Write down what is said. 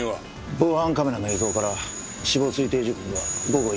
防犯カメラの映像から死亡推定時刻は午後１時３０分頃。